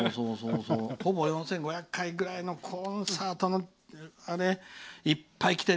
「ほぼ４５００回ぐらいコンサート」のはがき、いっぱいきてる。